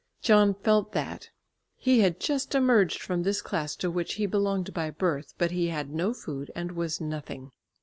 John felt that. He had just emerged from this class to which he belonged by birth, but he had no food and was nothing.